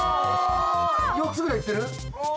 ４つくらいいってる？